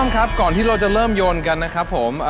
ครับก่อนที่เราจะเริ่มโยนกันนะครับผม